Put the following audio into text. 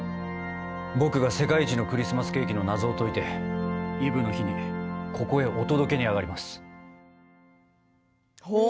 僕が、世界一のクリスマスケーキの謎を解いてイブの日にここへお届けにあがります。